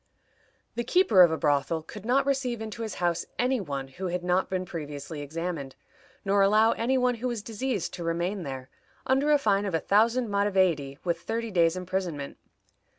The keeper of a brothel could not receive into his house any one who had not been previously examined, nor allow any one who was diseased to remain there, under a fine of a thousand maravedis, with thirty days' imprisonment.